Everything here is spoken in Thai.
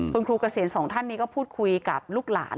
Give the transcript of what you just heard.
คุณครูเกษียณสองท่านนี้ก็พูดคุยกับลูกหลาน